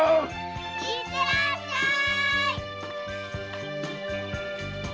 行ってらっしゃーい！